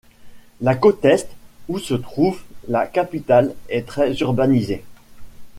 La côte Est, où se trouve la capitale est très urbanisée.